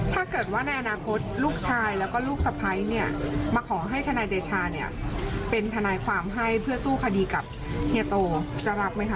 เพื่อสู้คดีกับเฮียโตจะรับไหมคะเอออันนี้ผมยังไม่ได้คิดไปไกลขนาดนั้นนะฮะ